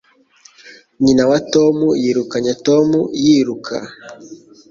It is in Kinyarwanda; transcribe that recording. Nyina wa Tom yirukanye Tom yiruka